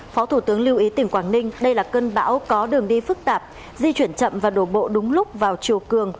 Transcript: phó thủ tướng lưu ý tỉnh quảng ninh đây là cơn bão có đường đi phức tạp di chuyển chậm và đổ bộ đúng lúc vào chiều cường